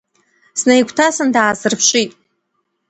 Снаигәҭасын, даасырԥшит.